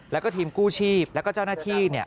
แล้วก็ทีมกู้ชีพแล้วก็เจ้าหน้าที่เนี่ย